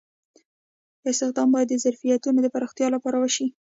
استخدام باید د ظرفیتونو د پراختیا لپاره وشي.